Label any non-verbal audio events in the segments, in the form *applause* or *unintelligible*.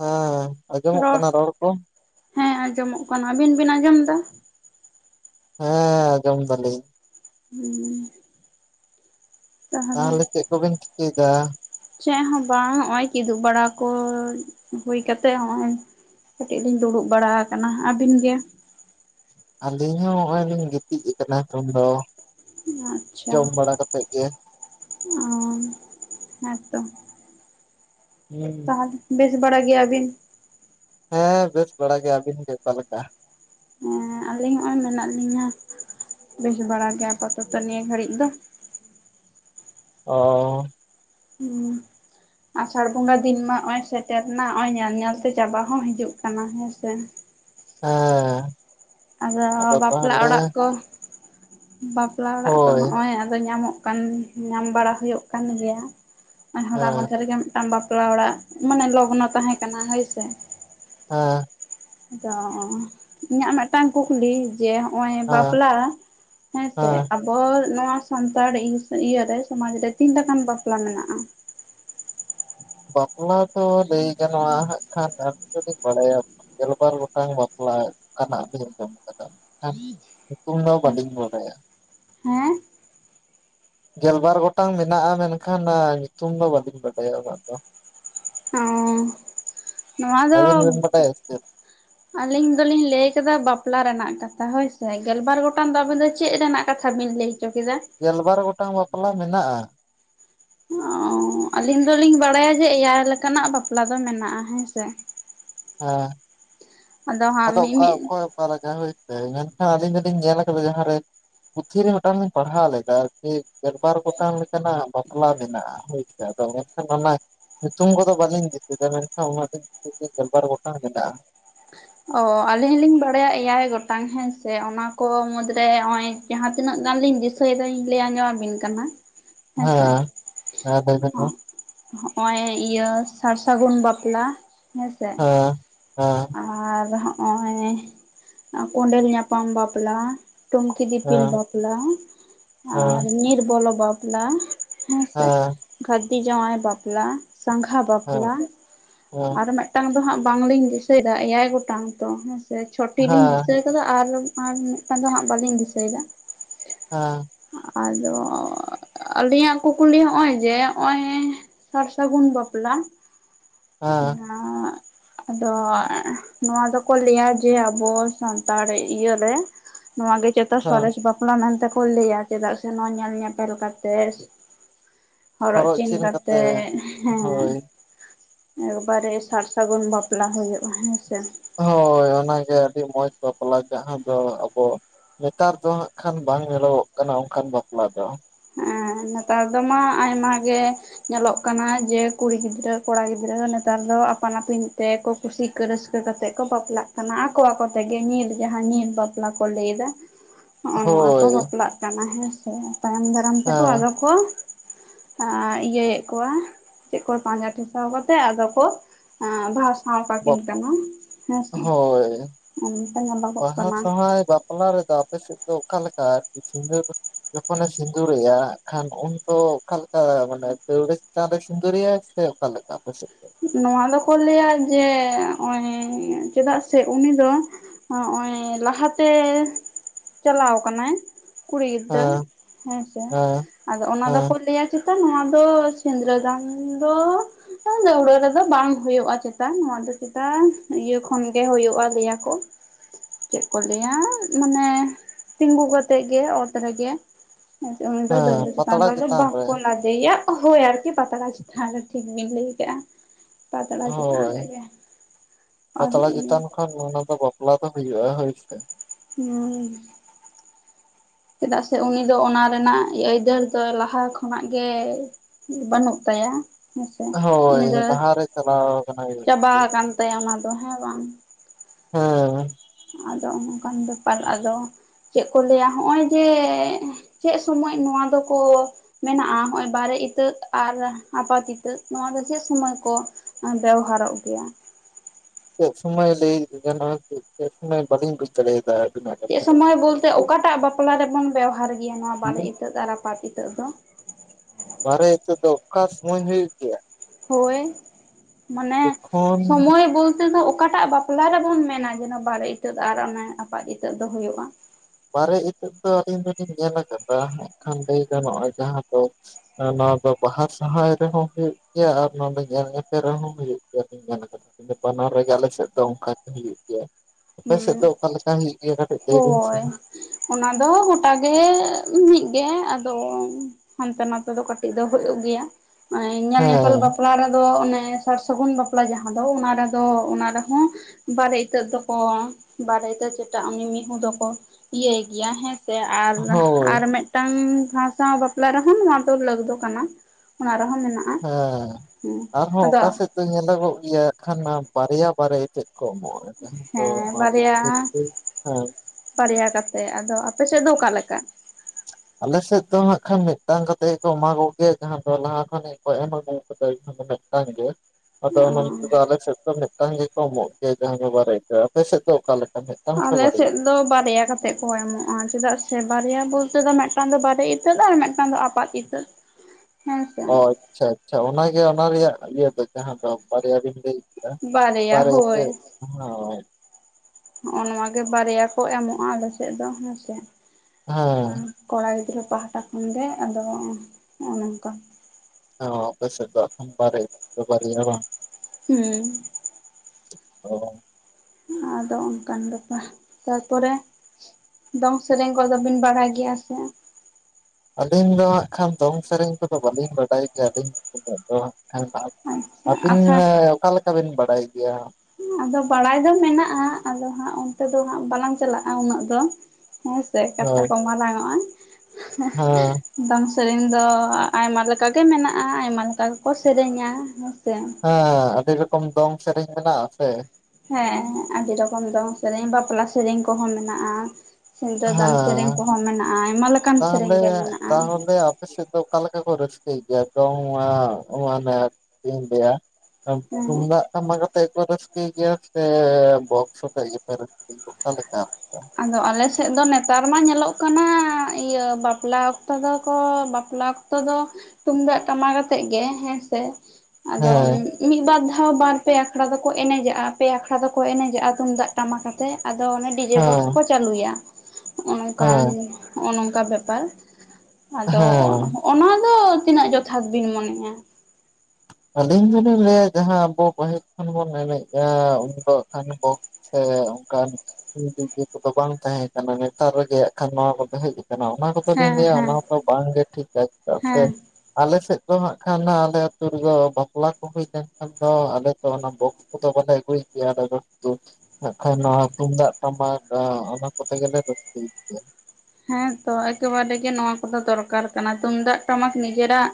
ᱦᱮᱸ ᱟᱸᱡᱚᱢᱚᱜ ᱠᱟᱱᱟ ᱨᱚᱲ ᱠᱚ? ᱦᱮᱸ ᱟᱸᱡᱚᱢᱚᱜ ᱠᱟᱱᱟ ᱟᱵᱤᱱ ᱵᱤᱱ ᱟᱸᱡᱚᱢ ᱮᱫᱟ? ᱦᱮᱸ ᱟᱢᱚᱢ ᱫᱟᱞᱤᱧ ᱦᱩᱸ ᱛᱟᱦᱚᱞᱮᱼᱼ ᱛᱟᱦᱚᱞᱮ ᱪᱮᱫ ᱠᱚᱵᱮᱱ ᱪᱤᱠᱟᱹᱭᱮᱫᱟ ᱪᱮᱫ ᱦᱚᱸ ᱵᱟᱝ ᱱᱚᱜ ᱚᱭ ᱠᱤᱫᱩᱵ ᱵᱟᱲᱟ ᱠᱚ ᱦᱩᱭ ᱠᱟᱛᱮᱜ ᱦᱚᱸᱚᱭᱼᱼ ᱠᱟᱹᱴᱤᱡ ᱞᱤᱧ ᱫᱩᱲᱩᱵ ᱵᱟᱲᱟ ᱟᱠᱟᱱᱟ ᱟᱹᱵᱤᱱ ᱜᱮ? ᱟᱹᱞᱤᱧ ᱦᱚᱸ ᱱᱚᱜᱼᱚᱭ ᱞᱤᱧ ᱜᱤᱛᱤᱡ ᱟᱠᱟᱱᱟ ᱱᱤᱛᱚᱜ ᱫᱚ ᱡᱚᱢ ᱵᱟᱲᱟ ᱠᱟᱛᱮᱫ ᱜᱮ ᱚ ᱦᱮᱸᱛᱚ ᱦᱩᱸ ᱛᱟᱦᱚᱞᱮ ᱵᱮᱥ ᱵᱟᱲᱟ ᱜᱮᱭᱟ ᱵᱤᱱ? ᱦᱮᱸ ᱵᱮᱥ ᱵᱟᱲᱟ ᱜᱮᱭᱟ ᱟᱵᱤᱱ ᱜᱮ ᱚᱠᱟ ᱞᱮᱠᱟ? ᱦᱮᱸ ᱟᱞᱤᱧ ᱦᱚᱸᱜᱚᱭ ᱢᱮᱱᱟᱜ ᱞᱤᱧᱟ ᱵᱮᱥ ᱵᱟᱲᱟ ᱜᱮᱭᱟ ᱟᱯᱟᱛᱟᱛᱚ ᱱᱤᱭᱟᱹ ᱜᱷᱟᱹᱲᱤᱡ ᱫᱚ᱾ ᱚᱻ ᱦᱩᱸ ᱟᱥᱟᱲ ᱵᱚᱸᱜᱟ ᱫᱤᱱ ᱢᱟ ᱱᱚᱜ ᱚᱭ ᱥᱮᱴᱮᱨ ᱮᱱᱟ ᱱᱚᱜ ᱚᱭ ᱧᱮᱞ ᱧᱮᱞ ᱛᱮ ᱪᱟᱵᱟ ᱦᱚᱸ ᱦᱤᱡᱩᱜ ᱠᱟᱱᱟ ᱦᱮᱸᱥᱮ᱾ ᱦᱮᱻ ᱟᱫᱚ ᱵᱟᱯᱞᱟ ᱚᱲᱟᱜ ᱠᱚᱼᱼ ᱵᱟᱯᱞᱟ ᱚᱲᱟᱜ ᱫᱚ ᱦᱳᱭ ᱱᱚᱜᱼᱚᱭ ᱟ ᱧᱟᱢᱚᱜ ᱠᱟᱱ ᱧᱟᱢ ᱵᱟᱲᱟ ᱦᱩᱭᱩᱜ ᱠᱟᱱ ᱜᱮᱭᱟ᱾ ᱦᱚᱞᱟ ᱦᱮᱸ ᱢᱚᱫᱷᱮ ᱨᱮᱜᱮ ᱢᱤᱫᱴᱟᱝ ᱵᱟᱯᱞᱟ ᱚᱲᱟᱜ ᱢᱟᱱᱮ ᱞᱚᱜᱱᱚ ᱛᱟᱦᱮᱸ ᱠᱟᱱᱟ ᱦᱳᱭᱥᱮ, ᱦᱮᱻ ᱛᱚ ᱤᱧᱟᱹᱜ ᱢᱤᱫᱴᱟᱝ ᱠᱩᱠᱞᱤ? ᱡᱮ ᱱᱚᱜ ᱚᱭ ᱦᱮᱸ ᱵᱟᱯᱞᱟ ᱦᱮᱸᱥᱮ? ᱦᱮᱸ ᱟᱵᱚ ᱱᱚᱣᱟ ᱥᱟᱱᱛᱟᱲ ᱤᱭᱟᱹᱨᱮ ᱥᱚᱢᱟᱡᱽ ᱨᱮ ᱛᱤᱱ ᱞᱮᱠᱟᱱ ᱵᱟᱯᱞᱟ ᱢᱮᱱᱟᱜᱼᱟ? ᱵᱟᱯᱞᱟ ᱫᱚ ᱞᱟᱹᱭ ᱜᱟᱱᱚᱜᱼᱟ ᱦᱟᱸᱜ᱾ ᱠᱷᱟᱱ ᱟᱵᱧ *unintelligible* ᱡᱩᱫᱤᱧ ᱵᱟᱲᱟᱭᱟ ᱜᱮᱞᱵᱟᱨ ᱜᱚᱴᱟᱝ ᱵᱟᱯᱞᱟ ᱚᱱᱠᱟᱱᱟᱜ ᱵᱤᱱᱡᱚᱢ ᱟᱠᱟᱫᱟ *unintelligible* ᱧᱩᱛᱩᱢ ᱫᱚ ᱵᱟᱹᱞᱤᱧ ᱵᱟᱲᱟᱭᱟ ᱦᱮᱸ? ᱜᱮᱞᱵᱟᱨ ᱜᱚᱴᱟᱝ ᱢᱮᱱᱟᱜᱼᱟ ᱢᱮᱱᱠᱷᱟᱱ ᱧᱩᱛᱩᱢ ᱫᱚ ᱵᱟᱹᱞᱤᱧ ᱵᱟᱰᱟᱭᱟ ᱩᱱᱟᱜ ᱫᱚ ᱚᱻ ᱱᱚᱣᱟ ᱫᱚ ᱟᱹᱵᱤᱱ ᱵᱤᱱ ᱵᱟᱰᱟᱭᱟ ᱥᱮ ᱪᱮᱫ ᱟᱹᱞᱤᱧ ᱫᱚᱞᱤᱧ ᱞᱟᱹᱭ ᱟᱠᱟᱫᱟ ᱵᱟᱯᱞᱟ ᱨᱮᱱᱟᱜ ᱠᱟᱛᱷᱟ ᱦᱳᱭᱥᱮ ᱜᱮᱞᱵᱟᱨ ᱜᱚᱴᱟᱝ ᱫᱚ ᱟᱵᱤᱱ ᱫᱚ ᱪᱮᱫ ᱨᱮᱱᱟᱜ ᱠᱟᱛᱷᱟ ᱵᱤᱱ ᱞᱟᱹᱭᱼᱼ ᱪᱚ ᱠᱮᱫᱟ ᱜᱮᱞᱵᱟᱨ ᱜᱚᱴᱟᱝ ᱵᱟᱯᱞᱟ ᱢᱮᱱᱟᱜᱼᱟ᱾ ᱚ ᱟᱹᱞᱤᱧ ᱫᱚᱞᱤᱧ ᱵᱟᱲᱟᱭᱟ ᱡᱮ ᱮᱭᱟᱭ ᱞᱮᱠᱟᱱᱟᱜ ᱵᱟᱯᱞᱟ ᱫᱚ ᱢᱮᱱᱟᱜᱼᱟ ᱦᱮᱸᱥᱮ ᱦᱮᱸ ᱦᱟᱸᱜ ᱟᱫᱚ ᱚᱠᱟ ᱢᱤᱼᱢᱤᱫ ᱚᱠᱚᱭᱼᱼ ᱚᱠᱟ ᱞᱮᱠᱟ ᱦᱩᱭ ᱢᱮᱱᱠᱷᱟᱱ ᱟᱹᱞᱤᱧ ᱫᱚᱞᱤᱧ ᱧᱮᱞ ᱟᱠᱟᱫᱟ ᱡᱟᱦᱟᱸᱨᱮᱼᱼ ᱯᱩᱛᱷᱤ ᱨᱮ ᱢᱤᱫᱴᱟᱝ ᱞᱤᱧ ᱯᱟᱲᱦᱟᱣ ᱞᱮᱫᱟ ᱟᱨᱠᱤ ᱜᱮᱵᱟᱨ ᱜᱚᱴᱟᱝ ᱞᱮᱠᱟᱱᱟᱜ ᱵᱟᱯᱞᱟ ᱢᱮᱱᱟᱜᱼᱟ ᱦᱳᱭ ᱥᱮ ᱟᱫᱚ᱾ ᱚᱱᱟ ᱧᱩᱛᱩᱢ ᱠᱚᱫᱚ ᱵᱟᱹᱞᱤᱧ ᱜᱤᱛᱟᱹᱟ ᱢᱮᱱ ᱠᱷᱟᱱ ᱚᱱᱟ ᱞᱤᱧ ᱜᱮᱞᱵᱟᱨ ᱜᱚᱴᱟᱝ ᱢᱮᱱᱟᱜᱼᱟ᱾ ᱚ ᱟᱹᱞᱤᱧ ᱞᱤᱧ ᱵᱟᱲᱟᱭᱟ ᱮᱭᱟᱭ ᱜᱚᱴᱟᱝ ᱦᱮᱸ ᱥᱮ ᱚᱱᱟ ᱠᱚ ᱢᱩᱫᱽᱨᱮ ᱱᱚᱜ ᱚᱭᱼᱼ ᱡᱟᱦᱟᱸ ᱛᱤᱱᱟᱹᱜ ᱜᱟᱱ ᱞᱤᱧ ᱫᱤᱥᱟᱹᱭ ᱫᱟᱧ ᱞᱟᱹᱭ ᱟᱸᱡᱚᱢ ᱟᱵᱤᱱ ᱠᱟᱱᱟ᱾ ᱦᱮᱸ ᱥᱮᱼᱼ ᱞᱟᱹᱭ ᱵᱮᱱ ᱢᱟ ᱦᱚᱜ ᱚᱭ ᱤᱭᱟᱹ ᱥᱟᱨ ᱥᱟᱹᱜᱩᱱ ᱵᱟᱯᱞᱟ ᱦᱮᱸᱥᱮ ᱦᱮ ᱦᱮᱸ ᱟᱨ ᱦᱚᱜ ᱚᱭ ᱠᱚᱸᱰᱮᱞ ᱧᱟᱯᱟᱢ ᱵᱟᱯᱞᱟ᱾ ᱴᱩᱝᱠᱤ ᱦᱮᱸ ᱦᱮᱸ ᱫᱤᱯᱤᱞ ᱵᱟᱯᱞᱟ ᱟᱨ ᱱᱤᱨᱵᱚᱞᱚ ᱵᱟᱯᱞᱟᱼᱼ ᱦᱮᱸ ᱥᱮ ᱜᱟᱨᱫᱤ ᱡᱟᱶᱟᱭ ᱵᱟᱯᱞᱟ ᱥᱟᱸᱜᱷᱟ ᱵᱟᱯᱞᱟ ᱦᱮᱸ ᱟᱨ ᱢᱤᱫᱴᱟᱝ ᱫᱚ ᱦᱟᱸᱜ ᱵᱟᱝᱞᱤᱧ ᱫᱤᱥᱟᱹᱭᱮᱫᱟ ᱮᱭᱟᱭ ᱜᱚᱴᱟᱝ ᱛᱚ ᱦᱮᱸ ᱪᱷᱚᱴᱤ ᱞᱤᱧ ᱫᱤᱥᱟᱹ ᱠᱟᱫᱟ ᱟᱨ ᱟᱨ ᱢᱤᱫᱴᱟᱝ ᱫᱚ ᱦᱟᱸᱜ ᱵᱟᱹᱞᱤᱧ ᱫᱤᱥᱟᱹᱭᱮᱫᱟ ᱟ ᱟᱫᱚ ᱟᱞᱤᱧᱟᱜ ᱠᱩᱠᱞᱤ ᱦᱚᱜ ᱚᱭ ᱡᱮ ᱱᱚᱜ ᱚᱚᱭ ᱥᱟᱨ ᱥᱟᱹᱜᱩᱱ ᱵᱟᱯᱞᱟ ᱦᱟ ᱟᱫᱚ ᱱᱚᱣᱟ ᱫᱚᱠᱚ ᱞᱟᱹᱭᱟ ᱡᱮ ᱟᱵᱚ ᱥᱟᱱᱛᱟᱲ ᱤᱭᱟᱹᱨᱮ ᱱᱚᱣᱟ ᱜᱮ ᱚ ᱦᱮᱸ ᱥᱚᱨᱮᱥ ᱵᱟᱯᱞᱟ ᱢᱮᱱᱛᱮ ᱠᱚ ᱞᱟᱹᱭᱟ ᱪᱮᱫᱟᱜ ᱥᱮ ᱱᱚᱣᱟ ᱧᱮᱞ ᱧᱮᱯᱮᱞ ᱠᱟᱛᱮ ᱦᱚᱨᱚᱜ ᱪᱤᱱ ᱠᱟᱛᱮᱜ ᱦᱮᱸ ᱦᱳᱭ ᱮᱠᱵᱟᱨᱮ ᱥᱟᱨ ᱥᱟᱹᱜᱩᱱ ᱵᱟᱯᱞᱟ ᱦᱩᱭᱩᱜᱼᱟ ᱦᱮᱸᱥᱮ ᱦᱳᱭ ᱚᱱᱟᱜᱮ ᱟᱹᱰᱤ ᱢᱚᱸᱡ ᱵᱟᱯᱞᱟ ᱡᱟᱦᱟᱸ ᱫᱚ ᱟᱵᱚ ᱱᱮᱛᱟᱨ ᱫᱚ ᱦᱟᱸᱜ ᱠᱷᱟᱱ ᱵᱟᱝ ᱧᱮᱞᱚᱜᱚᱜ ᱠᱟᱱᱟ ᱚᱱᱠᱟᱱ ᱵᱟᱯᱞᱟ ᱫᱚ ᱦᱮᱸ ᱱᱮᱛᱟᱨ ᱫᱚᱢᱟ ᱟᱭᱢᱟ ᱜᱮ ᱧᱮᱞᱚᱜ ᱠᱟᱱᱟ ᱡᱮ ᱠᱩᱲᱤ ᱜᱤᱫᱽᱨᱟᱹ ᱠᱚᱲᱟ ᱜᱤᱫᱽᱨᱟᱹ ᱱᱮᱛᱟᱨ ᱫᱚ ᱟᱯᱟᱱ ᱟᱹᱯᱤᱱ ᱛᱮᱠᱚ ᱠᱩᱥᱤᱠᱟᱹ ᱨᱟᱹᱥᱠᱟᱹ ᱠᱟ ᱠᱟᱛᱮ ᱠᱚ ᱵᱟᱯᱞᱟᱜ ᱠᱟᱱᱟ ᱟᱠᱚ ᱟᱠᱚ ᱛᱮᱜᱮ ᱧᱤᱛ ᱡᱟᱦᱟᱸ ᱧᱤᱨ ᱵᱟᱯᱞᱟ ᱠᱚ ᱞᱟᱹᱭᱫᱟ ᱦᱚᱸᱜᱼᱚ ᱱᱚᱣᱟ ᱠᱚ ᱦᱳᱭ ᱵᱟᱯᱞᱟᱜ ᱠᱟᱱᱟ ᱦᱮᱸᱥᱮ ᱛᱟᱭᱚᱢ ᱫᱟᱨᱟᱢ ᱛᱮᱠᱚ ᱦᱮᱸ ᱟᱫᱚ ᱠᱚ ᱤᱭᱟᱹᱭᱮᱫ ᱠᱚᱣᱟ ᱪᱮᱫ ᱠᱚ ᱯᱟᱸᱡᱟ ᱴᱷᱮᱥᱟᱣ ᱠᱟᱛᱮᱜ ᱟᱫᱚ ᱠᱚ ᱵᱷᱟᱥ ᱴᱷᱟᱶ ᱠᱟᱠᱤᱱ ᱠᱟᱱᱟ ᱦᱮᱸ ᱥᱮ ᱦᱳᱭ ᱚᱱᱛᱮᱧ ᱚᱰᱚᱠᱚᱜ ᱠᱟᱱᱟ ᱚᱱᱟ ᱨᱮᱫᱚ ᱟᱯᱮ ᱥᱮᱫ ᱫᱚ ᱚᱠᱟᱞ ᱞᱮᱠᱟ ᱥᱤᱸᱫᱟᱹᱨ ᱡᱚᱠᱷᱚᱱᱮ ᱥᱤᱸᱫᱩᱨᱮᱭᱟ ᱠᱷᱟᱱ ᱩᱱᱫᱚ ᱚᱠᱟᱮᱠᱟ ᱢᱟᱱᱮ ᱫᱟᱹᱣᱲᱟᱹ ᱪᱮᱛᱟᱱ ᱨᱮ ᱥᱤᱫᱩᱨᱮᱭᱟ ᱥᱮ? ᱚᱠᱟ ᱞᱮᱠᱟ ᱟᱯᱮ ᱥᱮᱫ ᱫᱚ ᱱᱚᱣᱟ ᱫᱚᱠᱚ ᱞᱟᱹᱭᱟ ᱡᱮ ᱱᱚᱜᱚᱭ ᱪᱮᱫᱟᱜ ᱥᱮ ᱩᱱᱤ ᱫᱚ ᱱᱚᱜ ᱚᱭ ᱞᱟᱦᱟᱛᱮ ᱪᱟᱞᱟᱣ ᱠᱟᱱᱟᱭ ᱠᱩᱲᱤ ᱜᱤᱫᱽᱨᱟᱹ ᱦᱮᱸ ᱦᱮᱸᱥᱮ ᱦᱮᱸ ᱟᱫᱚ ᱚᱱᱟ ᱦᱮᱸ ᱫᱚᱠᱚ ᱞᱟᱹᱭᱟ ᱪᱮᱛ ᱱᱚᱣᱟ ᱫᱚ ᱥᱤᱸᱫᱽᱨᱟᱹ ᱫᱟᱱ ᱫᱚ ᱫᱟᱹᱣᱲᱟᱹ ᱨᱮ ᱫᱚ ᱵᱟᱝ ᱦᱩᱭᱩᱜᱼᱟ ᱪᱮᱛᱟ ᱱᱚᱣᱟ ᱫᱚ ᱪᱮᱴᱟ ᱤᱭᱟᱹ ᱠᱷᱚᱱ ᱜᱮ ᱦᱩᱭᱩᱜᱼᱟ ᱞᱟᱹᱭᱟᱠᱚ ᱪᱮᱫ ᱠᱚ ᱞᱟᱹᱭᱟ ᱢᱟᱱᱮ ᱛᱤᱸᱜᱩ ᱠᱟᱛᱮᱜ ᱜᱮ ᱚᱛ ᱨᱮᱜᱮ ᱦᱮᱸ ᱫᱟᱹᱣᱲᱟᱹ ᱪᱮᱛᱮᱱ ᱯᱟᱛᱲᱟ ᱨᱮᱫᱚ ᱪᱮᱛᱟᱱ ᱨᱮ ᱵᱟᱠᱚ ᱞᱟᱹᱭᱟ ᱦᱳᱭ ᱟᱨᱠᱤ ᱯᱟᱛᱲᱟ ᱪᱮᱛᱟᱱ ᱨᱮ ᱴᱷᱤᱠ ᱵᱤᱱ ᱞᱟᱹᱭ ᱠᱟᱜᱼᱟ ᱯᱟᱛᱲᱟ ᱪᱮᱛᱟᱱ ᱦᱳᱭ ᱨᱮᱜᱮ ᱯᱟᱛᱲᱟ ᱪᱮᱛᱟᱱ ᱠᱷᱚᱱ ᱚᱱᱟ ᱫᱚ ᱵᱟᱯᱞᱟ ᱫᱚ ᱦᱩᱭᱩᱜᱼᱟ ᱦᱳᱭ ᱥᱮ ᱦᱩᱸ ᱪᱮᱫᱟᱜ ᱥᱮ ᱩᱱᱤ ᱫᱚ ᱚᱱᱟ ᱨᱮᱱᱟᱜ ᱟᱹᱭᱫᱟᱹᱨ ᱫᱚ ᱞᱟᱦᱟ ᱠᱷᱚᱱᱟᱜ ᱜᱮ ᱵᱟᱹᱱᱩᱜ ᱛᱟᱭᱟ ᱦᱮᱸᱥᱮ ᱦᱳᱭ ᱩᱱᱤ ᱫᱚ ᱞᱟᱦᱟᱨᱮ ᱪᱟᱞᱟᱣ ᱠᱟᱱᱟᱭ ᱪᱟᱵᱟ ᱟᱠᱟᱱ ᱛᱟᱭᱟ ᱛᱟᱭ ᱚᱱᱟ ᱫᱚ ᱦᱮᱸ ᱵᱟᱝ ᱦᱮᱸ ᱟᱫᱚ ᱚᱱᱠᱟᱱ ᱵᱮᱯᱟᱞ ᱟᱫᱚ ᱪᱮᱫ ᱠᱚ ᱞᱟᱹᱭᱟ ᱦᱚᱜᱼ ᱚᱭ ᱡᱮ ᱪᱮᱫ ᱥᱚᱢᱚᱭ ᱱᱚᱣᱟ ᱫᱚᱠᱚ ᱢᱮᱱᱟᱜᱼᱟ ᱱᱚᱜᱼᱚᱭ ᱵᱟᱨᱮ ᱤᱛᱟᱹᱛ ᱟᱨ ᱟᱯᱟᱛ ᱤᱛᱟᱹᱛ ᱱᱚᱣᱟ ᱫᱚ ᱪᱮᱫ ᱥᱚᱢᱚᱭ ᱠᱚ ᱵᱮᱣᱦᱟᱨᱚᱜ ᱜᱮᱭᱟ ᱪᱮᱫ ᱥᱚᱢᱚᱭ ᱞᱟᱹᱭ ᱜᱟᱱᱚ-ᱟ ᱵᱟᱞᱤᱧ ᱵᱩᱡ ᱫᱟᱲᱮ ᱫᱟ ᱪᱮᱫ ᱥᱚᱢᱚᱭ ᱵᱚᱞᱛᱮ ᱚᱠᱟᱴᱟᱜ ᱵᱟᱯᱞᱟ ᱨᱮᱵᱚᱱ ᱵᱮᱣᱦᱟᱨ ᱜᱮᱭᱟ ᱱᱚᱣᱟ ᱵᱟᱨᱮ ᱤᱛᱟᱹᱛ ᱟᱨ ᱟᱯᱟᱛ ᱤᱛᱟᱹᱛ ᱫᱚ? ᱵᱟᱨᱮ ᱤᱛᱟᱹᱫ ᱫᱚ ᱚᱠᱟ ᱥᱚᱢᱟᱹᱭ ᱦᱩᱭᱩᱜ ᱜᱮᱭᱟ? ᱦᱚᱭ ᱢᱟᱱᱮ ᱡᱚᱠᱷᱚᱱ ᱥᱚᱢᱚᱭ ᱵᱩᱞᱼᱼ ᱛᱮᱫᱚ ᱚᱠᱟ ᱴᱟᱜ ᱵᱟᱯᱞᱟ ᱨᱮᱵᱚᱱ ᱢᱮᱱᱟ ᱡᱮᱱᱚ ᱵᱟᱨᱮ ᱤᱛᱟᱹᱫ ᱟᱨ ᱚᱱᱮ ᱟᱯᱟᱫ ᱤᱛᱟᱹᱫ ᱫᱚ ᱦᱩᱭᱩᱜ-ᱟ? ᱵᱟᱨᱮ ᱤᱛᱟᱹᱫ ᱫᱚ ᱟᱹᱞᱤᱧ ᱫᱚᱞᱤᱧ ᱧᱮᱞ ᱟᱠᱟᱫᱟ ᱢᱮᱱ ᱠᱷᱟᱱ ᱞᱟᱹᱭ ᱜᱟᱱᱚᱜ-ᱟ ᱡᱟᱦᱟᱸ ᱫᱚᱼᱼ ᱟᱻ ᱱᱚᱣᱟ ᱫᱚ ᱵᱟᱦᱟ ᱥᱟᱦᱟᱸᱭ ᱨᱮᱦᱚᱸ ᱦᱩᱭᱩᱜ ᱜᱮᱭᱟ, ᱟᱨ ᱱᱚᱣᱟ ᱫᱚ ᱧᱮᱞ ᱧᱮᱯᱮᱞ ᱨᱮᱦᱚᱸ ᱦᱩᱭᱩᱜ ᱜᱮᱭᱟ ᱾ ᱤᱧ ᱧᱮᱞ ᱟᱠᱟᱫᱟ ᱤᱧ‌ ᱫᱚ ᱵᱟᱱᱟᱨ ᱨᱮᱜᱮ ᱟᱞᱮ ᱥᱮᱜ ᱫᱚ ᱚᱱᱠᱟ ᱜᱮ ᱦᱩᱭᱩᱜᱼᱼ ᱭᱩᱜ-ᱟ ᱟᱯᱮ ᱥᱮᱜ ᱫᱚ ᱦᱩᱸ ᱚᱠᱟ ᱞᱮᱠᱟ ᱦᱩᱭᱩᱜ ᱜᱮᱭᱟ ᱠᱟᱹᱴᱤᱡ ᱞᱟᱹᱭ ᱵᱤᱱ ᱥᱮ ᱦᱳᱭ ᱢᱟ? ᱚᱱᱟ ᱫᱚ ᱜᱚᱴᱟ ᱜᱮ ᱢᱤᱜ ᱜᱮ ᱟᱫᱚᱸᱻᱼᱼ ᱦᱟᱱᱛᱮ ᱱᱟᱛᱮ ᱫᱚ ᱠᱟᱹᱴᱤᱡ ᱫᱚ ᱦᱚᱭᱚᱜ ᱜᱮᱭᱟ ᱚᱸᱻ ᱧᱮᱞ ᱧᱮᱯᱮᱞ ᱦᱮᱸ ᱵᱟᱯᱼᱼ ᱵᱟᱯᱞᱟ ᱨᱮᱫᱚ ᱚᱱᱮ ᱥᱟᱨ ᱥᱟᱹᱜᱩᱱ ᱵᱟᱯᱞᱟ ᱡᱟᱦᱟᱸ ᱫᱚ ᱚᱱᱟ ᱨᱮᱫᱚ ᱚᱱᱟ ᱨᱮᱦᱚᱸ ᱵᱟᱨᱮ ᱤᱛᱟᱹᱫ ᱫᱚᱼᱼ ᱠᱚᱸ ᱵᱟᱨᱮ ᱤᱛᱟᱹᱫ ᱪᱮᱴᱟ ᱩᱱᱤ ᱢᱤᱭᱦᱩᱸ ᱫᱚᱠᱚ ᱤᱭᱟᱹ ᱭᱮ ᱜᱮᱭᱟ ᱦᱮᱸᱼᱼ ᱥᱮ ᱟᱨ ᱦᱟᱸ ᱦᱳᱭ ᱟᱨ ᱢᱤᱫᱼᱼ ᱴᱟᱱ ᱵᱟᱦᱟ ᱥᱟᱶ ᱵᱟᱯᱞᱟ ᱨᱮᱦᱚᱸ ᱱᱚᱣᱟ ᱫᱚ ᱞᱟᱹᱠ ᱫᱚ ᱠᱟᱱᱟ ᱚᱱᱟ ᱨᱮᱦᱚᱸ ᱢᱮᱱᱟᱜ ᱾ ᱦᱮᱸ ᱟᱨ ᱦᱚᱸ ᱚᱠᱟ ᱥᱮᱡᱼᱼ ᱛᱚ ᱧᱮᱞᱚᱜᱚᱜ ᱜᱮᱭᱟ ᱠᱷᱟᱱ ᱱᱟ ᱵᱟᱨᱭᱟ ᱵᱟᱨᱮ ᱤᱛᱟᱹᱫ ᱠᱚ ᱮᱢᱚᱜ-ᱟ ᱾ ᱟᱨ ᱡᱟᱦᱟᱸ ᱫᱚ ᱦᱮᱸ ᱵᱟᱨᱭᱟ *inaudible* ᱦᱮᱸ᱾ ᱵᱟᱨᱭᱟ ᱠᱟᱛᱮᱜ ᱾ ᱟᱫᱚ ᱟᱯᱮ ᱥᱮᱜ ᱫᱚ ᱚᱠᱟ ᱞᱮᱠᱟ? ᱟᱞᱮ ᱥᱮ ᱫᱚ ᱦᱟᱸᱜ ᱠᱷᱟᱱ ᱢᱤᱫᱴᱟᱝ ᱠᱟᱛᱮᱜ ᱜᱮᱠᱚ ᱮᱢᱟ ᱠᱚ ᱜᱮᱭᱟ ᱡᱟᱦᱟᱸ ᱫᱚ ᱞᱟᱦᱟ ᱠᱷᱚᱱᱮᱼᱼ ᱠᱚ ᱮᱢ ᱟᱹᱜᱩᱣ ᱠᱟᱫᱟ ᱡᱟᱦᱟᱸ ᱫᱚ ᱢᱤᱜᱴᱟᱝ ᱜᱮ ᱾ ᱟᱫᱚ ᱱᱚᱱᱛᱮ ᱫᱚ ᱟᱞᱮ ᱥᱮᱜ ᱫᱚ ᱢᱮᱜᱴᱟᱝ ᱜᱮᱠᱚ ᱮᱢᱚᱜ ᱜᱮᱭᱟ ᱡᱟᱦᱟᱸ ᱫᱚ ᱵᱟᱨᱮ ᱤᱛᱟᱹᱫ ᱾ ᱟᱨ ᱟᱯᱮ ᱥᱮᱜ ᱫᱚ ᱚᱠᱟ ᱞᱮᱠᱟ ᱧᱚᱜ? ᱟᱞᱮ ᱥᱮᱜᱼᱼ ᱫᱚ ᱵᱟᱨᱭᱟ ᱠᱟᱛᱮᱜ ᱠᱚ ᱮᱢᱚᱜ-ᱟ ᱪᱮᱫᱟᱜ ᱥᱮ ᱵᱟᱨᱭᱟ ᱵᱚᱞᱛᱮ ᱫᱚ ᱢᱮᱜᱴᱟᱝ ᱫᱚ ᱵᱟᱨᱮ ᱤᱛᱟᱹᱫ ᱟᱨ ᱢᱮᱜᱴᱟᱝ ᱫᱚ ᱟᱯᱟᱛ ᱤᱛᱟᱹᱫ ᱾ *inaudible* ᱚ ᱟᱪᱪᱷᱟ ᱟᱪᱪᱷᱟ, ᱚᱱᱟ ᱜᱮ ᱚᱱᱟ ᱨᱮᱭᱟᱜ ᱤᱭᱟᱹ ᱫᱚ ᱡᱟᱦᱟᱸ ᱫᱚ ᱵᱟᱨᱭᱟ ᱵᱤᱱ ᱞᱟᱹᱭᱼᱼ ᱠᱮᱫᱟ ᱵᱟᱨᱭᱟ ᱵᱟᱨᱮ ᱦᱳᱭ ᱤᱛᱟᱹᱫ ᱦᱚᱭ ᱾ ᱱᱚᱜ-ᱚ ᱱᱚᱶᱟ ᱜᱮ ᱵᱟᱨᱭᱟ ᱠᱚ ᱮᱢᱚᱜ-ᱟ ᱟᱞᱮ ᱥᱮᱜ ᱫᱚ ᱦᱮᱸ ᱥᱮ ᱾ ᱦᱮᱸ ᱚᱸᱼᱼ ᱠᱚᱲᱟ ᱜᱤᱫᱽᱨᱟᱹ ᱯᱟᱦᱴᱟ ᱠᱷᱚᱱ ᱜᱮ ᱟᱫᱚ ᱱᱚᱜ-ᱚ ᱱᱚᱝᱠᱟ ᱾ ᱚ ᱟᱯᱮ ᱥᱮᱜ ᱫᱚ ᱟᱠᱷᱟᱱ ᱵᱟᱨᱮ ᱤᱛᱟᱹᱫ ᱫᱚ ᱵᱟᱨᱭᱟ ᱵᱟᱝ ᱾ ᱦᱩᱸ᱾ ᱚ ᱟᱫᱚ ᱚᱱᱠᱟᱱ ᱵᱮᱯᱟᱨ ᱛᱟᱨᱯᱚᱨᱮᱼᱼ ᱫᱚᱝ ᱥᱮᱨᱮᱧ ᱠᱚᱫᱚ ᱵᱤᱱ ᱵᱟᱲᱟᱭ ᱜᱮᱭᱟ ᱥᱮ? ᱟᱞᱤᱧ ᱫᱚ ᱮᱠᱷᱟᱱ ᱫᱚᱝ ᱥᱮᱨᱮᱧ ᱠᱚᱫᱚ ᱵᱟᱞᱤᱧ ᱵᱟᱰᱟᱭ ᱜᱮᱭᱟ ᱟᱹᱞᱤᱧᱜ ᱩᱱᱟᱹᱜ ᱫᱚ ᱦᱟᱸᱜ ᱠᱷᱟᱱ ᱟᱢ *unintelligible* ᱟᱪᱪᱷᱟ ᱟᱵᱤᱱ ᱟᱥᱟᱲ ᱚᱠᱟ ᱞᱮᱠᱟ ᱵᱤᱱ ᱵᱟᱲᱟᱭ ᱜᱮᱭᱟ? ᱟᱫᱚ ᱵᱟᱲᱟᱭ ᱫᱚ ᱢᱮᱱᱟᱜ-ᱟ ᱟᱫᱚ ᱦᱟᱸᱜ ᱚᱱᱛᱮ ᱫᱚ ᱦᱟᱸᱜ ᱵᱟᱞᱟᱝ ᱪᱟᱞᱟᱜ-ᱟ ᱩᱱᱟᱹᱜ ᱫᱚ ᱾ ᱦᱮᱸ ᱥᱮ ᱠᱟᱛᱷᱟ ᱦᱳᱭ ᱠᱚ ᱢᱟᱨᱟᱝᱚᱜ-ᱟ, ᱦᱮᱸ ᱦᱮᱼᱼ ᱫᱚᱝ ᱥᱮᱨᱮᱧ ᱫᱚ ᱟᱭᱢᱟ ᱞᱮᱠᱟ ᱜᱮ ᱢᱮᱱᱟᱜ-ᱟ ᱟᱭᱢᱟ ᱞᱮᱠᱟ ᱜᱮᱠᱚ ᱥᱮᱨᱮᱧᱟ ᱦᱮᱸ ᱥᱮ ᱾ ᱦᱮᱸ ᱟᱹᱰᱤ ᱨᱚᱠᱚᱢ ᱫᱚᱝ ᱥᱮᱨᱮᱧ ᱢᱮᱱᱟᱜ-ᱟ ᱥᱮ ᱾ ᱦᱮᱸ ᱦᱮᱸ ᱟᱹᱰᱤ ᱨᱚᱠᱚᱢ ᱫᱚᱝ ᱥᱮᱨᱮᱧ ᱵᱟᱯᱞᱟ ᱥᱮᱨᱮᱧ ᱠᱚᱦᱚᱸ ᱢᱮᱱᱟᱜ-ᱟ ᱾ ᱥᱤᱸᱫᱽᱨᱟᱹ ᱫᱟᱱ ᱥᱮᱨᱮᱧ ᱦᱮᱸ ᱠᱚᱦᱚᱸ ᱢᱮᱱᱟᱜ-ᱟ ᱟᱭᱢᱟ ᱞᱮᱠᱟᱱ ᱥᱮᱨᱮᱧ ᱛᱟᱦᱚᱞᱮ ᱜᱮ ᱢᱮᱱᱟᱜ-ᱟ ᱾ ᱛᱟᱦᱚᱞᱮ ᱟᱯᱮ ᱥᱮᱜ ᱫᱚ ᱚᱠᱟ ᱞᱮᱠᱟ ᱠᱚ ᱨᱟᱹᱥᱠᱟᱹᱭ ᱜᱮᱭᱟ ᱫᱚᱝ ᱶᱟᱜ ᱢᱟᱱᱮ ᱪᱮᱜ ᱤᱧ ᱞᱟᱹᱭᱟᱼᱼ ᱟᱻ ᱦᱮᱸ ᱛᱩᱢᱫᱟᱜᱼᱼ ᱴᱟᱢᱟᱠ‌ ᱟᱛᱮᱜ ᱜᱮ ᱠᱚ ‌ᱨᱟᱹᱥᱠᱟᱹᱭ ᱜᱮᱭᱟ ᱥᱮ ᱵᱚᱠᱥ ᱛᱮᱜᱮᱯᱮ‌ ᱨᱟᱹᱥᱠᱟᱹᱭᱟ ᱚᱠᱟ ‌‌ᱞᱮᱠᱟ ᱟᱯᱮ ‌ᱫᱚ? ᱟᱫᱚ ᱟᱞᱮ ᱥᱮᱜ ᱫᱚ ᱱᱮᱛᱟᱨ ᱢᱟ ᱧᱮᱞᱚᱜ ᱠᱟᱱᱟ ᱤᱭᱟᱹ ᱵᱟᱯᱞᱟ ᱚᱠᱛᱚ ᱫᱚᱠᱚ ᱵᱟᱯᱞᱟ ᱚᱠᱼᱼ ᱛᱚ ᱫᱚ ᱛᱩᱢᱫᱟᱜ ᱴᱟᱢᱟᱠ ᱟᱛᱮᱜ ᱜᱮ ᱦᱮᱸ ᱥᱮ, ᱟᱫᱚ ᱩᱸᱻᱼ ᱦᱮᱸ ᱢᱤᱫ ᱵᱟᱨ ᱫᱷᱟᱣ ᱵᱟᱨ ᱯᱮ ᱟᱠᱷᱲᱟ ᱫᱚᱠᱚ ᱮᱱᱮᱡᱟᱜ-ᱟ ᱯᱮ ᱟᱠᱷᱲᱟ ᱫᱚᱠᱚ ᱮᱱᱮᱡᱟᱜ-ᱟ ᱛᱩᱢᱫᱟᱜ ᱴᱟᱢᱟᱠ ᱟᱛᱮᱜ ᱟᱫᱚ ᱚᱱᱮ ᱰᱤᱡᱮ ᱵᱚᱠᱥ ᱦᱮᱸ ᱠᱚ ᱪᱟᱞᱩᱭᱟ ᱦᱚᱸᱜᱚ ᱱᱚᱝᱠᱟᱱ ᱦᱮᱸ ᱦᱚᱸᱜ ᱱᱚᱝᱠᱟ ᱵᱮᱯᱟᱨ᱾ ᱟᱫᱚ ᱦᱮᱸ ᱚᱱᱟ ᱫᱚ ᱛᱤᱱᱟᱹᱜ ᱡᱚᱛᱷᱟᱛ ᱵᱤᱱ ᱢᱚᱱᱮᱭᱟ? ᱟᱹᱞᱤᱧ ᱫᱩᱞᱤᱧ ᱞᱟᱹᱭᱟ ᱡᱟᱦᱟᱸ ᱟᱵᱚ ᱯᱟᱹᱦᱤᱞ ᱠᱷᱚᱱ ᱵᱚᱱ ᱮᱱᱮᱡᱼᱟ ᱩᱱ ᱫᱚ ᱠᱷᱟᱱ ᱠᱚᱼᱼᱼ ᱥᱮ ᱚᱝᱠᱟᱱᱼᱼ ᱰᱤᱡᱮ ᱠᱚᱫᱚ ᱵᱟᱝ ᱛᱟᱦᱮᱸ ᱠᱟᱱᱟ ᱱᱮᱛᱟᱨ ᱨᱮᱜᱮ ᱦᱟᱸᱜ ᱠᱷᱟᱱ ᱱᱚᱣᱟ ᱠᱚᱫᱚ ᱦᱮᱡ ᱟᱠᱟᱱᱟ ᱚᱱᱟ ᱫᱚ ᱫᱚᱞᱤᱧ ᱦᱮᱸ ᱞᱟᱹᱭᱟ ᱦᱮᱸ ᱚᱱᱟ ᱛᱚᱵᱟᱝ ᱜᱮ ᱴᱷᱤᱠᱟ ᱪᱮᱫᱟᱜ ᱥᱮ ᱦᱮᱸ ᱟᱞᱮ ᱥᱮᱫ ᱫᱚ ᱦᱟᱸᱜ ᱠᱷᱟᱱ ᱦᱟᱸᱜ ᱟᱞᱮ ᱟᱹᱛᱩ ᱤᱭᱟᱹ ᱵᱟᱯᱞᱟ ᱠᱚ ᱦᱩᱭ ᱞᱮᱱᱠᱷᱟᱱ ᱫᱚ ᱟᱞᱮ ᱫᱚ ᱚᱱᱟ ᱵᱚᱠᱥ ᱠᱚᱫᱚ ᱵᱟᱞᱮ ᱟᱹᱜᱩᱭ ᱜᱮᱭᱟ ᱟᱞᱮ ᱦᱟᱸᱜ ᱠᱷᱟᱡ ᱱᱚᱣᱟ ᱛᱩᱢᱫᱟᱜ, ᱴᱟᱢᱟᱠ ᱚᱱᱟ ᱠᱚᱛᱮ ᱜᱮᱞᱮ ᱨᱟᱹᱥᱠᱟᱹᱭ ᱜᱮᱭᱟ ᱦᱮᱸᱛᱚ ᱮᱠᱮᱵᱟᱨᱮ ᱜᱮ ᱱᱚᱣᱟ ᱠᱚᱫᱚ ᱫᱚᱨᱠᱟᱨ ᱠᱟᱱᱟ ᱛᱩᱢᱫᱟᱜ, ᱴᱟᱢᱟᱠ ᱱᱤᱡᱮᱨᱟᱜ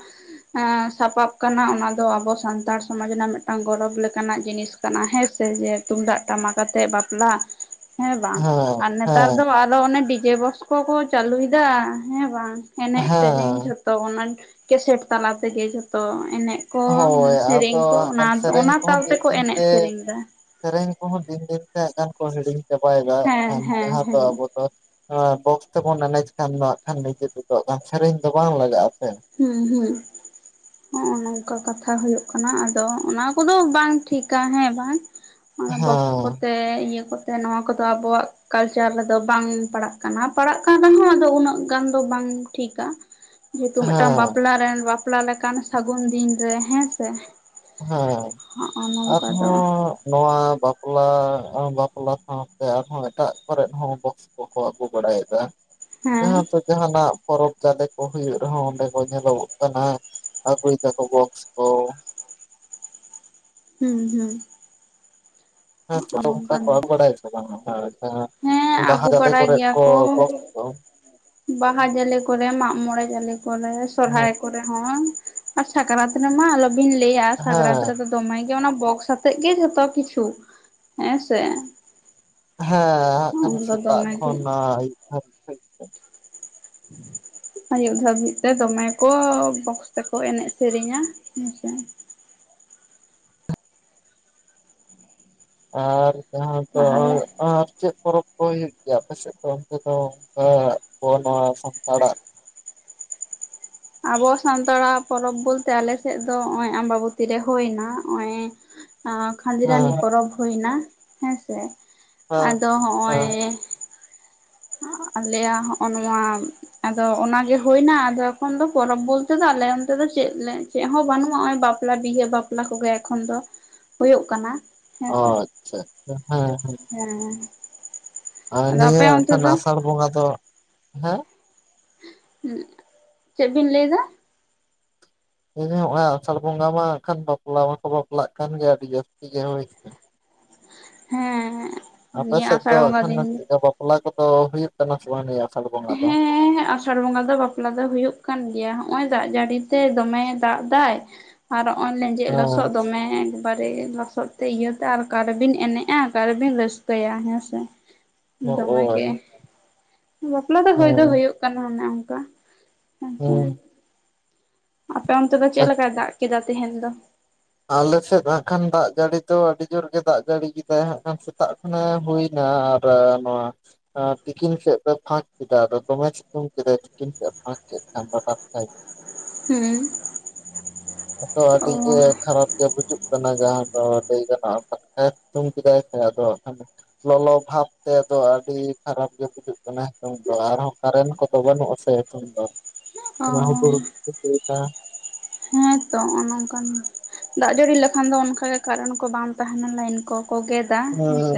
ᱦᱟᱸ ᱥᱟᱯᱟᱵ ᱠᱟᱱᱟ ᱚᱱᱟ ᱫᱚ ᱟᱵᱚ ᱥᱟᱱᱛᱟᱲ ᱥᱚᱢᱟᱡᱽ ᱨᱮᱱᱟᱜ ᱢᱤᱫᱴᱟᱝ ᱜᱚᱨᱚᱵᱽ ᱞᱮᱠᱟᱱᱟᱜ ᱡᱤᱱᱤᱥ ᱠᱟᱱᱟ ᱦᱮᱸ ᱥᱮ ᱡᱮ ᱛᱩᱢᱫᱟᱜ, ᱴᱟᱢᱟᱠ ᱟᱛᱮ ᱵᱟᱯᱞᱟ ᱦᱮᱸ ᱵᱟᱝ ᱦᱮᱸ ᱟᱨ ᱱᱮᱛᱟᱨ ᱦᱮᱸ ᱫᱚ ᱟᱫᱚ ᱚᱱᱮ ᱰᱤ ᱡᱮ ᱵᱚᱥ ᱠᱚᱠᱚ ᱪᱟᱹᱞᱩᱭᱮᱫᱟ ᱦᱮᱸ ᱵᱟᱝ ᱮᱱᱮᱡ, ᱥᱮᱨᱮᱧ ᱦᱮᱸ ᱡᱷᱚᱛᱚ ᱚᱱᱟ ᱠᱮᱥᱮᱴ ᱛᱟᱞᱟ ᱛᱮᱜᱮ ᱡᱷᱚᱛᱚ ᱮᱱᱮᱡ ᱠᱚ ᱦᱳᱭ ᱟᱫᱚ ᱥᱮᱨᱮᱧ ᱠᱚ ᱦᱟᱸᱜ ᱚᱱᱟ ᱠᱷᱟᱱ ᱥᱮᱨᱮᱧ ᱚᱱᱟ ᱠᱚᱦᱚᱸ ᱛᱟᱞ ᱫᱤᱱ ᱛᱮᱠᱚ ᱫᱤᱱ ᱮᱱᱮᱡ ᱛᱮ ᱥᱮᱨᱮᱧ ᱫᱟ ᱥᱮᱨᱮᱧ ᱠᱚᱦᱚᱸ ᱫᱤᱱ ᱫᱤᱱ ᱛᱮ ᱦᱟᱸᱜ ᱜᱟᱱ ᱠᱚ ᱦᱤᱲᱤᱧ ᱪᱟᱵᱟᱭᱮᱫᱟ ᱦᱮᱸ ᱠᱷᱟᱱ ᱦᱮᱸ ᱡᱟᱦᱟᱸ ᱫᱚ ᱦᱮᱸ ᱟᱵᱚ ᱫᱚ ᱟᱸ ᱵᱚᱠᱥ ᱛᱮᱵᱚᱱ ᱮᱱᱮᱡᱽ ᱠᱷᱟᱱ ᱫᱚ ᱠᱷᱟᱱ ᱱᱤᱡᱮ ᱛᱮᱫᱚ ᱦᱟᱸᱜ ᱠᱷᱟᱱ ᱥᱮᱨᱮᱧ ᱫᱚ ᱵᱟᱝ ᱞᱟᱜᱟᱜᱼᱟ ᱥᱮ ᱦᱩᱸ ᱦᱩᱸ ᱦᱚᱸᱜ ᱚ ᱱᱚᱝᱠᱟ ᱠᱟᱛᱷᱟ ᱦᱩᱭᱩᱜ ᱠᱟᱱᱟ ᱟᱫᱚ ᱚᱱᱟ ᱠᱚᱫᱚ ᱵᱟᱝ ᱴᱷᱤᱠᱟ ᱦᱮᱸ ᱵᱟᱝ ᱚᱱᱟ ᱵᱚᱠᱥ ᱠᱚᱛᱮ ᱤᱭᱟᱹ ᱠᱚᱛᱮ ᱱᱚᱣᱟ ᱠᱚᱫᱚ ᱟᱵᱚᱣᱟᱜ ᱠᱟᱞᱪᱟᱨ ᱨᱮᱫᱚ ᱵᱟᱝ ᱯᱟᱲᱟᱜ ᱠᱟᱱᱟ ᱯᱟᱲᱟᱜ ᱠᱟᱱ ᱨᱮᱦᱚᱸ ᱟᱫᱚ ᱩᱱᱟᱹᱜ ᱜᱟᱱ ᱫᱚ ᱵᱟᱝ ᱴᱷᱤᱠᱟ ᱛᱚ ᱢᱤᱫᱴᱟᱝ ᱦᱮᱸ ᱵᱟᱯᱞᱟ ᱨᱮᱱ ᱵᱟᱯᱞᱟ ᱞᱮᱠᱟᱱ ᱥᱟᱹᱜᱩᱱ ᱫᱤᱱ ᱨᱮ ᱦᱮᱸ ᱥᱮ ᱦᱮᱸ ᱦᱚᱜᱼᱚ ᱱᱚᱝᱠᱟ ᱫᱚ ᱟᱨᱦᱚᱸ ᱱᱚᱣᱟ ᱵᱟᱯᱞᱟ ᱵᱟᱯᱞᱟ ᱥᱟᱶᱛᱮ ᱟᱨᱦᱚᱸ ᱮᱴᱟᱜ ᱠᱚᱨᱮ ᱦᱚᱸ ᱵᱚᱠᱥ ᱠᱚ ᱠᱚ ᱟᱜᱩ ᱵᱟᱲᱟᱭᱮᱫᱟ ᱦᱮᱸ ᱡᱟᱦᱟᱸ ᱛᱮ ᱡᱟᱦᱟᱸᱱᱟᱜ ᱯᱚᱨᱚᱵᱽ ᱡᱟᱫᱮ ᱠᱚ ᱦᱩᱭᱩᱜ ᱨᱮᱦᱚᱸ ᱚᱸᱰᱮ ᱠᱚ ᱧᱮᱞᱚᱜᱚᱜ ᱠᱟᱱᱟ ᱟᱹᱜᱩᱭ ᱫᱟᱠᱚ ᱵᱚᱠᱥ ᱠᱚ ᱦᱩᱸ ᱦᱩᱸ ᱦᱮᱸ ᱦᱚᱜᱼᱚ ᱛᱚ ᱚᱝᱠᱟ ᱱᱚᱝᱠᱟᱱ ᱠᱚ *unintelligible* ᱵᱟᱲᱟᱭᱮᱫ ᱛᱟᱦᱮᱸᱱᱟ ᱦᱮᱸ *unintelligible* ᱵᱟᱦᱟ ᱟᱹᱜᱩ ᱡᱟᱞᱮ ᱵᱟᱲᱟᱭ ᱠᱚᱨᱮ ᱜᱮᱭᱟ ᱠᱚ ᱵᱚᱠᱥ ᱠᱚ ᱵᱟᱦᱟ ᱡᱟᱞᱮ ᱠᱚᱨᱮ ᱢᱟᱜ ᱢᱚᱬᱮ ᱡᱟᱞᱮ ᱠᱚᱨᱮ ᱦᱮᱸ ᱥᱚᱨᱦᱟᱭ ᱠᱚᱨᱮ ᱦᱚᱸ ᱟᱨ ᱥᱟᱠᱨᱟᱛ ᱨᱮᱢᱟ ᱟᱞᱚᱵᱤᱱ ᱞᱟᱹᱭᱟ ᱦᱮᱸ ᱥᱟᱠᱨᱟᱛ ᱦᱮᱸ ᱨᱮᱫᱚ ᱫᱚᱢᱮ ᱜᱮ ᱚᱱᱟ ᱵᱚᱠᱥ ᱟᱛᱮᱜ ᱜᱮ ᱡᱷᱚᱛᱚ ᱠᱤᱪᱷᱩ ᱦᱮᱸ ᱥᱮ ᱦᱮᱸ ᱦᱟᱸᱜ ᱠᱷᱟᱱ ᱩᱱᱫᱚ ᱥᱮᱛᱟᱜ ᱫᱚᱢᱮ ᱜᱮ ᱠᱷᱚᱱ ᱟᱹᱭᱩᱵ ᱫᱷᱟᱹᱵᱤᱡ *inaudible* ᱟᱹᱭᱩᱵ ᱫᱷᱟᱹᱵᱤᱡ ᱛᱮ ᱫᱚᱢᱮ ᱠᱚ ᱵᱚᱠᱥ ᱛᱮᱠᱚ ᱮᱱᱮᱡ ᱥᱮᱨᱮᱧᱟ ᱦᱮᱸ ᱥᱮ ᱟᱨ ᱡᱟᱦᱟᱸ ᱫᱚ ᱟᱨ ᱛᱟᱦᱚᱞᱮ ᱟᱨ ᱪᱮᱫ ᱯᱚᱨᱚᱵᱽ ᱠᱚ ᱦᱩᱭᱩᱜ ᱜᱮᱭᱟ ᱟᱯᱮ ᱥᱮᱫ ᱫᱚ ᱚᱱᱛᱮ ᱫᱚ ᱟᱸ ᱟᱵᱚ ᱱᱚᱣᱟ ᱥᱟᱱᱛᱟᱲᱟᱜ ᱟᱵᱚ ᱥᱟᱱᱛᱟᱲᱟᱜ ᱯᱚᱨᱚᱵᱽ ᱵᱚᱞᱛᱮ ᱟᱞᱮ ᱥᱮᱫ ᱫᱚ ᱱᱚᱜᱼᱚᱸᱭ ᱟᱢᱵᱟ ᱵᱚᱛᱤ ᱨᱮ ᱦᱩᱭᱱᱟ ᱱᱚᱜᱼᱚᱸᱭ ᱟᱸ ᱠᱷᱟᱸᱡᱽᱨᱟᱱᱤ ᱦᱮᱸ ᱯᱚᱨᱚᱵᱽ ᱦᱩᱭᱱᱟ ᱦᱮᱸ ᱥᱮ ᱦᱮᱸ ᱟᱫᱚ ᱦᱮᱸ ᱦᱚᱸᱜᱼᱚᱸᱭ ᱟᱞᱮᱭᱟᱜ ᱦᱚᱸᱜᱚ ᱱᱚᱣᱟ ᱟᱫᱚ ᱚᱱᱟᱜᱮ ᱦᱩᱭᱱᱟ ᱟᱫᱚ ᱮᱠᱷᱚᱱ ᱫᱚ ᱯᱚᱨᱚᱵᱽ ᱵᱚᱞᱛᱮ ᱫᱚ ᱟᱞᱮ ᱚᱱᱛᱮ ᱫᱚ ᱪᱮᱫ ᱞᱮ ᱪᱮᱫ ᱦᱚᱸ ᱵᱟᱹᱱᱩᱜᱼᱟ ᱱᱚᱜᱚᱭ ᱵᱟᱯᱞᱟ ᱵᱤᱦᱟᱹ ᱵᱟᱯᱞᱟ ᱠᱚᱜᱮ ᱮᱠᱷᱚᱱ ᱫᱚ ᱦᱩᱭᱩᱜ ᱠᱟᱱᱟ ᱦᱮᱸᱥᱮ ᱟᱪᱪᱷᱟ ᱟᱪᱷᱟ ᱦᱮᱸ ᱦᱮᱸ ᱦᱮᱸ ᱟᱨ ᱟᱫᱚ ᱟᱯᱮ ᱱᱤᱭᱟᱹ ᱚᱱᱛᱮ ᱠᱷᱟᱱ ᱫᱚ ᱟᱥᱟᱬ ᱵᱚᱸᱜᱟ ᱫᱚ ᱦᱮᱸ *unintelligible* ᱦᱩᱸᱜ ᱪᱮᱫ ᱵᱤᱱ ᱞᱟᱹᱭᱫᱟ *unintelligible* ᱟᱥᱟᱬ ᱵᱚᱸᱜᱟ ᱢᱟ ᱠᱷᱟᱱ ᱵᱟᱯᱞᱟ ᱢᱟᱠᱚ ᱵᱟᱯᱞᱟᱜ ᱠᱟᱱ ᱜᱮ ᱟᱹᱰᱤ ᱡᱟᱹᱥᱛᱤ ᱜᱮ *unintelligible* ᱦᱮᱸ ᱦᱮᱸᱜ ᱟᱯᱮ ᱥᱮᱫ ᱫᱚ ᱮᱠᱷᱟᱱ *unintelligible* ᱵᱟᱯᱞᱟ ᱠᱚᱫᱚ ᱦᱩᱭᱩᱜ ᱠᱟᱱᱟ ᱥᱮ ᱵᱟᱝ ᱱᱤᱭᱟᱹ ᱟᱥᱟᱬ ᱵᱚᱸᱜᱟ ᱫᱚ ᱟᱥᱟᱬ ᱵᱚᱸᱜᱟ ᱫᱚ ᱵᱟᱯᱞᱟ ᱫᱚ ᱦᱩᱭᱩᱜ ᱠᱟᱱ ᱜᱮᱭᱟ ᱦᱚᱜᱼᱚᱸᱭ ᱫᱟᱜ ᱡᱟᱹᱲᱤ ᱛᱮ ᱫᱚᱢᱮᱭᱮ ᱫᱟᱜ ᱫᱟᱭ ᱟᱨ ᱨᱚᱜᱼᱚᱸᱭ ᱞᱮᱧᱡᱮᱫ ᱞᱚᱥᱚᱫ ᱦᱮᱸ ᱫᱚᱢᱮ ᱮᱠᱵᱟᱨᱮ ᱞᱚᱥᱚᱫ ᱥᱚᱠᱛᱮ ᱤᱭᱟᱹᱛᱮ ᱟᱨ ᱟᱠᱟᱨᱮ ᱵᱤᱱ ᱮᱱᱮᱡᱼᱟ ᱟᱠᱟᱨᱮ ᱵᱤᱱ ᱨᱟᱹᱥᱠᱟᱹᱭᱟ ᱦᱮᱸ ᱥᱮ ᱫᱚᱢᱮ ᱦᱚᱜᱼᱚᱭ ᱜᱮ ᱵᱟᱯᱞᱟ ᱫᱚ ᱦᱩᱭ ᱫᱚ ᱦᱮᱸ ᱦᱩᱭᱩᱜ ᱠᱟᱱᱟ ᱚᱱᱮ ᱚᱝᱠᱟ ᱦᱮᱸ ᱟᱯᱮ ᱚᱱᱛᱮ ᱫᱚ ᱪᱮᱫ ᱞᱮᱠᱟᱭ ᱫᱟᱜ ᱠᱮᱫᱟ ᱛᱮᱦᱮᱧ ᱫᱚ ᱟᱞᱮᱥᱮᱫ ᱦᱟᱸᱜ ᱠᱷᱟᱱ ᱫᱟᱜ ᱡᱟᱹᱲᱤ ᱫᱚ ᱟᱹᱰᱤ ᱡᱳᱨ ᱜᱮ ᱫᱟᱜ ᱡᱟᱹᱲᱤ ᱠᱮᱫᱟᱭ ᱦᱟᱸᱜ ᱠᱷᱟᱱ ᱥᱮᱛᱟᱜ ᱢᱟᱱᱮ ᱦᱩᱭᱱᱟ ᱟᱨ ᱱᱚᱣᱟ ᱛᱤᱠᱤᱱ ᱥᱮᱫ ᱫᱚ ᱯᱷᱟᱸᱠ ᱠᱮᱫᱟ ᱟᱫᱚ ᱫᱚᱢᱮ ᱥᱤᱛᱩᱝ ᱠᱮᱫᱟ ᱛᱤᱠᱤᱱ ᱥᱮᱫ ᱮ ᱯᱷᱟᱸᱠ ᱠᱮᱫ *unintelligible* ᱦᱮᱸ ᱟᱫᱚ ᱚ ᱟᱹᱰᱤ ᱜᱮ ᱠᱷᱟᱨᱟᱯ ᱜᱮ ᱵᱩᱡᱩᱜ ᱠᱟᱱᱟ ᱡᱟᱦᱟᱸ ᱫᱚ ᱞᱟᱹᱭ ᱜᱟᱱᱚᱜᱼᱟ *unintelligible* ᱠᱮᱫᱟᱭ ᱥᱮ ᱟᱫᱚ ᱞᱚᱞᱚ ᱵᱷᱟᱵᱽ ᱛᱮᱫᱚ ᱟᱹᱰᱤ ᱠᱷᱟᱨᱟᱯ ᱜᱮ ᱵᱩᱡᱩᱜ ᱠᱟᱱᱟ ᱱᱤᱛᱚᱝ ᱫᱚ ᱟᱨᱦᱚᱸ ᱠᱟᱨᱮᱱᱴ ᱠᱚᱫᱚ ᱵᱟᱹᱱᱩᱜ ᱟᱥᱮ ᱱᱤᱛ ᱫᱚ *inaudible* *unintelligible* ᱦᱮᱸ ᱛᱚ ᱱᱚᱜᱼᱚ ᱱᱚᱝᱠᱟᱱ ᱫᱟᱜ ᱡᱟᱹᱲᱤ ᱞᱮᱠᱷᱟᱱ ᱫᱚ ᱚᱱᱠᱟᱜᱮ ᱠᱟᱨᱮᱱᱴ ᱠᱚ ᱵᱟᱝ ᱛᱟᱦᱮᱸᱱᱟ ᱞᱟᱭᱤᱱ ᱠᱚᱠᱚ ᱜᱮᱫ ᱦᱮᱸ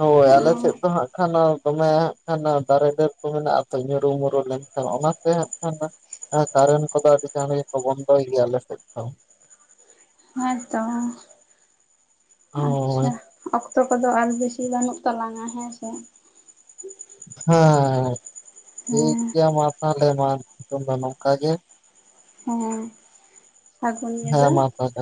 ᱦᱳᱭ ᱟᱞᱮᱥᱮᱫ ᱫᱚ ᱦᱟᱸᱜ ᱠᱷᱟᱱ ᱫᱚᱢᱮ ᱦᱟᱸᱜ ᱠᱷᱟᱱ ᱫᱟᱨᱮ ᱰᱟᱹᱨ ᱠᱚ ᱢᱮᱱᱟᱜᱼᱟ ᱛᱚ ᱧᱩᱨᱩᱢᱩᱨᱩ ᱞᱮᱱᱠᱷᱟᱱ ᱚᱱᱟᱛᱮ ᱦᱟᱸᱜ ᱠᱷᱟᱱ ᱦᱮᱸ ᱠᱟᱨᱮᱱᱴ ᱠᱚᱫᱚ ᱟᱹᱰᱤ ᱜᱟᱱ ᱜᱮᱠᱚ ᱵᱚᱱᱫᱚᱭ ᱜᱮᱭᱟ ᱟᱞᱮ ᱥᱮᱫ ᱫᱚ ᱦᱳᱭ ᱛᱚ ᱦᱳᱭ ᱚᱠᱛᱚ ᱠᱚᱫᱚ ᱟᱨ ᱵᱮᱥᱤ ᱵᱟᱹᱱᱩᱜ ᱛᱟᱞᱟᱝᱼᱟ ᱦᱮᱸ ᱥᱮ ᱦᱮᱸ ᱴᱷᱤᱠ ᱦᱮᱸ ᱜᱮᱭᱟ ᱢᱟ ᱛᱟᱦᱚᱞᱮ ᱢᱟ ᱱᱤᱛᱚᱜ ᱫᱚ ᱱᱚᱝᱠᱟ ᱜᱮ ᱦᱮᱸ ᱥᱟᱹᱜᱩᱱ ᱦᱮᱸ ᱧᱤᱫᱟᱹ ᱢᱟ ᱛᱟᱦᱚᱞᱮ